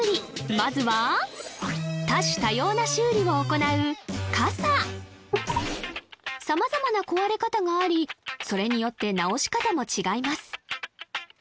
まずは多種多様な修理を行う傘様々な壊れ方がありそれによって直し方も違います